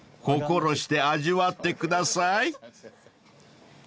［心して味わってください］